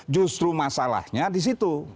justru masalahnya di situ